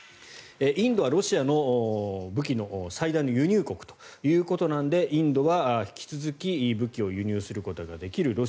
インドはロシアの武器の最大の輸入国ということなのでインドは引き続き武器を輸入することができる